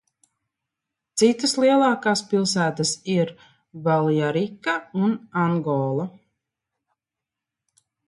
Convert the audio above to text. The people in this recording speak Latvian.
Citas lielākās pilsētas ir Viljarrika un Angola.